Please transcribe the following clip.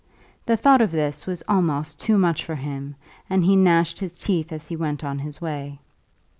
The thought of this was almost too much for him, and he gnashed his teeth as he went on his way.